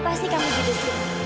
pasti kamu gitu sih